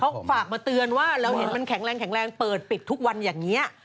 เขาฝากมาเตือนว่าเราเห็นมันแข็งแรงแข็งแรงเปิดปิดทุกวันอย่างนี้